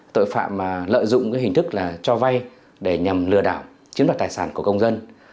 tội phạm lợi dụng hình thức cho vay để nhằm lừa đảo chiếm đoạt tài sản của công dân